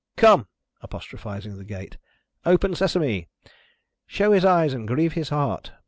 Come!" apostrophising the gate. "Open Sesame! Show his eyes and grieve his heart!